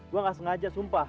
gua nggak sengaja sumpah